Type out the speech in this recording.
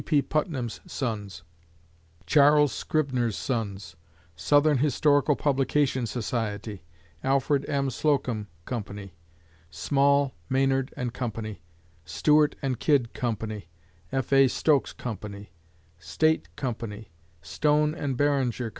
P. Putnam's Sons; Charles Scribner's Sons; Southern Historical Publication Society; Alfred M. Slocomb Co.; Small, Maynard & Co.; Stewart & Kidd Co.; F. A. Stokes Co.; State Company; Stone & Barringer Co.